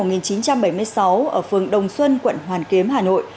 ở phường đồng xuân quận hoàn kiếm hà nội